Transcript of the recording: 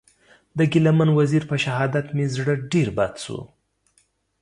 د ګیله من وزېر په شهادت مې زړه ډېر بد سو.